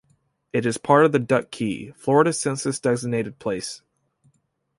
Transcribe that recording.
It is part of the Duck Key, Florida census-designated place.